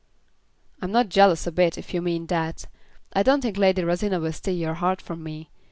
"I'm not jealous a bit, if you mean that. I don't think Lady Rosina will steal your heart from me.